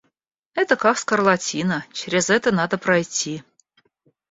Это как скарлатина, чрез это надо пройти.